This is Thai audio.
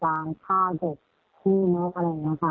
อุ๋มันมันมันสกปรกมันลักษณะไหนมันน้อยหรือคะ